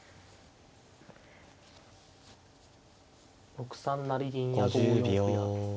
６三成銀や５四歩や。